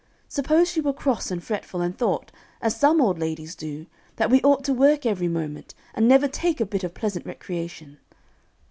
Suppose she were cross and fretful, and thought, as some old ladies do, that we ought to work every moment, and never take a bit of pleasant recreation.